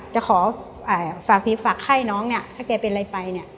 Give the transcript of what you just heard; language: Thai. จะขอฝากให้น้องถ้าแกเป็นอะไรไป